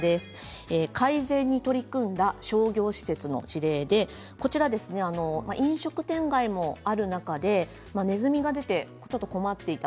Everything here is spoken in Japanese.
改善に取り組んだ商業施設の事例で飲食店街もある中でねずみが出て困っていた。